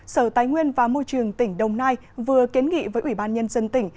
sở tài nguyên và môi trường tỉnh đồng nai vừa kiến nghị với ủy ban nhân dân tỉnh